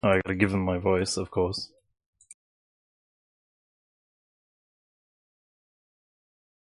Its owners, John and Donna Karshner, also served as on-air staff and programmers.